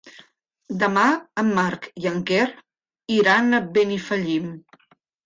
Demà en Marc i en Quer iran a Benifallim.